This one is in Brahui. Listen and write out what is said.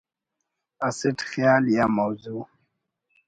اسٹ خیال یا موضوع